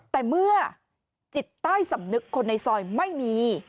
แต่เมื่อจิตใต้สำนึกคนในซอยไม่มี